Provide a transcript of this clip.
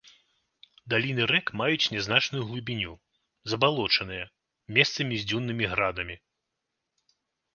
Даліны рэк маюць нязначную глыбіню, забалочаныя, месцамі з дзюннымі градамі.